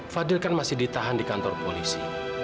fadil kan masih ditahan di kantor polisi